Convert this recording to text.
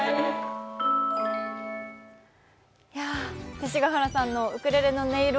勅使河原さんのウクレレの音色